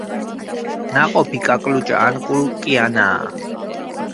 ნაყოფი კაკლუჭა ან კურკიანაა.